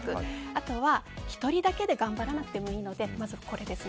あとは１人だけで頑張らなくていいのでまずこれです。